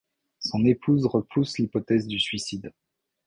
Son épouse repousse l'hypothèse du suicide.